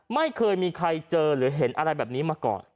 ไม่เคยมีใครเจอหรือเห็นอะไรแบบนี้มาก่อน